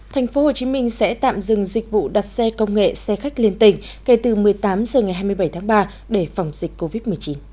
thành phố hồ chí minh sẽ tạm dừng dịch vụ đặt xe công nghệ xe khách liên tỉnh kể từ một mươi tám h ngày hai mươi bảy tháng ba để phòng dịch covid một mươi chín